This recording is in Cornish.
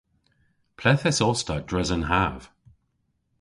Ple'th esos ta dres an hav?